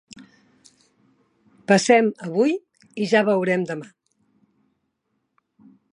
Passem avui i ja veurem demà.